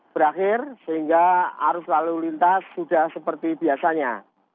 berakhir sehingga arus lalu lintas sudah seperti biasanya